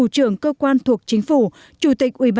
chủ trưởng cơ quan thuộc chính phủ chủ trưởng cơ quan thuộc chính phủ